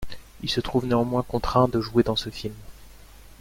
Il se trouve néanmoins contraint de jouer dans ce film.